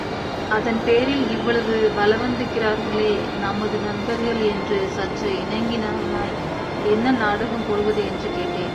அதன்பேரில் இவ்வளவு பலவந்திக்கிறார்களே நமது நண்பர்கள் என்று சற்று இணங்கினவனாய், என்ன நாடகம் போடுவது என்று கேட்டேன்.